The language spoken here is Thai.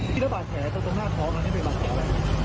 พิธรรมบาดแผลตรงหน้าโค้งอันนี้เป็นรอยแผลอะไร